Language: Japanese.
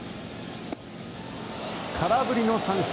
空振りの三振。